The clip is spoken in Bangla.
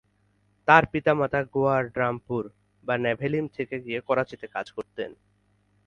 তার পিতামাতা গোয়ার ড্রামপুর/ন্যাভেলিম থেকে গিয়ে করাচিতে কাজ করতেন।